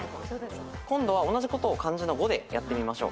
今度は同じことを漢字の五でやってみましょう。